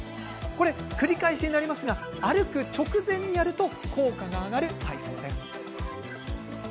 これ、くり返しになりますが歩く直前にやると効果が上がる体操ですよ。